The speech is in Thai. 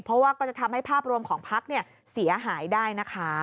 เพราะว่าก็จะทำให้ภาพรวมของพักเสียหายได้นะคะ